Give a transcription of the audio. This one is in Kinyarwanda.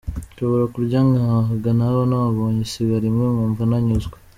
Nshobora kurya ngahaga naba ntabonye isigara imwe nkumva ntanyuzwe.